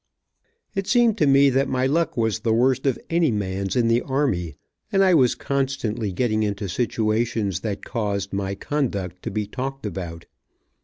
It seemed to me that my luck was the worst of any man's in the army, and I was constantly getting into situations that caused, my conduct to be talked about.